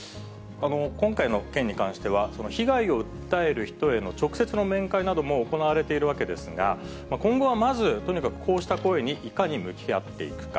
今回の件に関しては、被害を訴える人への直接の面会なども行われているわけですが、今後はまず、とにかくこうした声にいかに向き合っていくか。